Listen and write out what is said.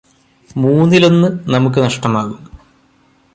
മൂന്നിലൊന്ന് നമുക്ക് നഷ്ടമാകും